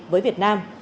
với việt nam